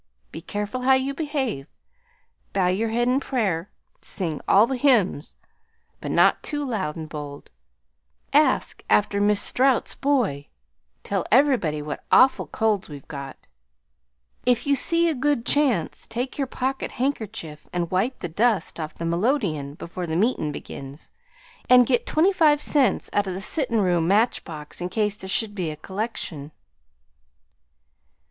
Be careful how you behave. Bow your head in prayer; sing all the hymns, but not too loud and bold; ask after Mis' Strout's boy; tell everybody what awful colds we've got; if you see a good chance, take your pocket handkerchief and wipe the dust off the melodeon before the meetin' begins, and get twenty five cents out of the sittin' room match box in case there should be a collection."